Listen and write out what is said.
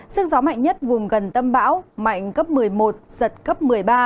sức gió mạnh nhất vùng gần tâm bão mạnh cấp một mươi một giật cấp một mươi ba